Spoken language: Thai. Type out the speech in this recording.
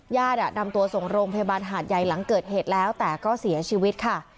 นำตัวส่งโรงพยาบาลหาดใหญ่หลังเกิดเหตุแล้วแต่ก็เสียชีวิตค่ะ